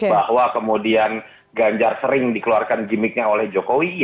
bahwa kemudian ganjar sering dikeluarkan gimmicknya oleh jokowi